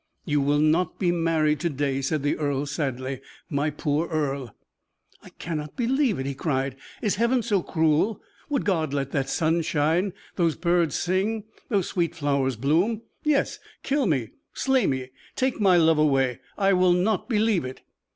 "You will not be married to day," said the earl, sadly. "My poor Earle." "I cannot believe it," he cried. "Is Heaven so cruel; would God let that sun shine those birds sing those sweet flowers bloom? Yes, kill me, slay me, take my love away. I will not believe it."